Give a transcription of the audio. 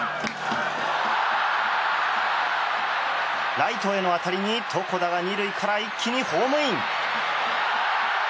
ライトへの当たりに床田が２塁から一気にホームイン。